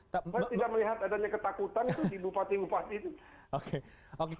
saya tidak melihat adanya ketakutan itu di bupati bupati itu